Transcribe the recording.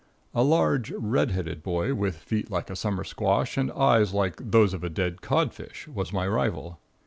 A large red headed boy, with feet like a summer squash and eyes like those of a dead codfish, was my rival.